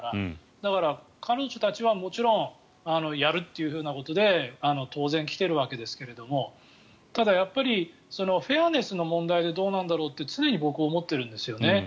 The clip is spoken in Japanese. だから、彼女たちはもちろんやるということで当然、来ているわけですがただ、やっぱりフェアネスの問題でどうなんだろうって常に僕は思っているんですよね。